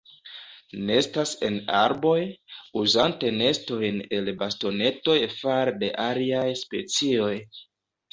Nestas en arboj, uzante nestojn el bastonetoj fare de aliaj specioj.